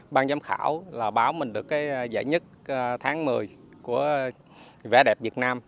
ban giám khảo là báo mình được cái giải nhất tháng một mươi của vẻ đẹp việt nam